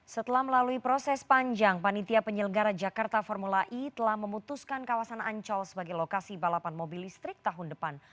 setelah melalui proses panjang panitia penyelenggara jakarta formula e telah memutuskan kawasan ancol sebagai lokasi balapan mobil listrik tahun depan